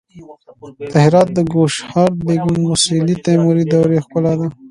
د هرات د ګوهرشاد بیګم موسیلا د تیموري دورې ښکلا ده